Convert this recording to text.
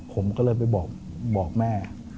ผมก็เลยไปบอกแม่